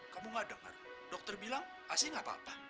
kamu nggak dengar dokter bilang asing apa apa